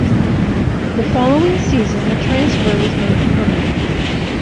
The following season, the transfer was made permanent.